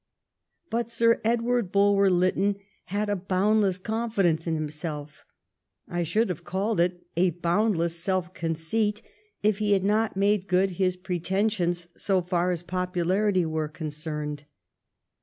But Sir Edward Bulwer Lytton had a boundless confidence in himself — I should have called it a boundless self conceit, if he had not made good his pretensions so far as popu larity was concerned.